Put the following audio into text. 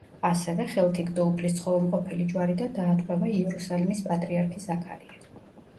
ასევე, ხელთ იგდო უფლის ცხოველმყოფელი ჯვარი და დაატყვევა იერუსალიმის პატრიარქი ზაქარია.